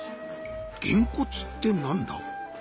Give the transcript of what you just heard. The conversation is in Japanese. げんこつって何だ？